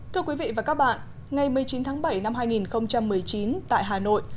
thưa quý vị và các bạn ngày một mươi chín tháng bảy năm hai nghìn một mươi chín tại hà nội